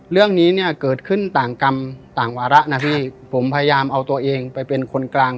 เรื่องนี้เนี่ยเกิดขึ้นต่างกรรมต่างวาระนะพี่ผมพยายามเอาตัวเองไปเป็นคนกลาง